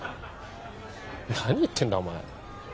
何言ってんだお前